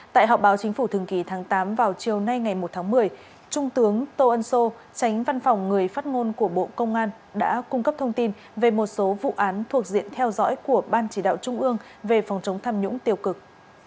tại họp báo chính phủ thường kỳ tháng tám vào chiều nay ngày một tháng một mươi trung tướng tô ân sô tránh văn phòng người phát ngôn của bộ công an đã cung cấp thông tin về một số vụ án thuộc diện theo dõi của ban chỉ đạo trung ương về phòng chống tham nhũng tiêu cực